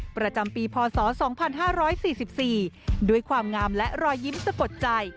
ประจำปีพศ๒๕๔๔ด้วยความงามและรอยยิ้มสะกดใจ